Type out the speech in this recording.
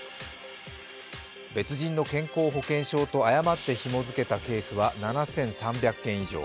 別人の健康保険証と誤ってひも付けたケースは７３００件以上。